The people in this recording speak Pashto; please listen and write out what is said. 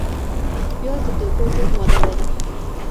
پیاز د توښو ضد ماده لري